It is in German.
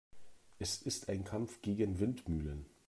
Es ist ein Kampf gegen Windmühlen.